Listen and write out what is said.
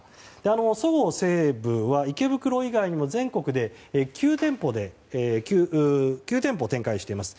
そごう・西武は池袋以外にも全国で９店舗展開しています。